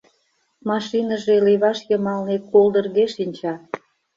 Машиныже леваш йымалне колдырге шинча.